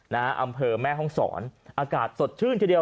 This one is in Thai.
อำเภอแม่ห้องซ้อน